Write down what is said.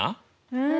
うん！